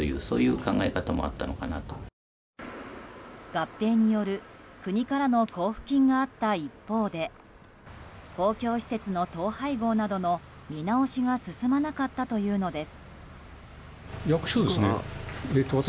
合併による国からの交付金があった一方で公共施設の統廃合などの見直しが進まなかったというのです。